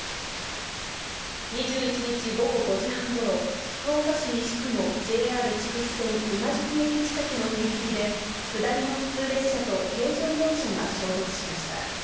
２１日午後５時半ごろ、福岡市西区のＪＲ筑肥線今宿駅近くの踏切で、下りの普通列車と軽乗用車が衝突しました。